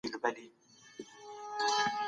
هیوادونه ولي په ټولنه کي عدالت غواړي؟